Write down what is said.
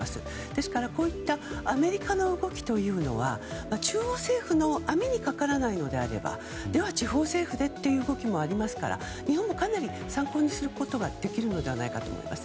ですからこうしたアメリカの動きは中央政府の網にかからないのであればでは地方政府でということもありますから日本もかなり参考にすることができるのではないかと思います。